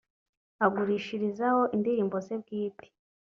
agurishirizaho indirimbo ze bwite